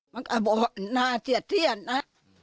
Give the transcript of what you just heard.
มันก็บอกน่าเสียดเทียนนะ